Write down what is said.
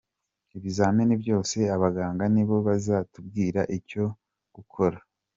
ibizamini byose abaganga nibo bazatubwira icyo gukora.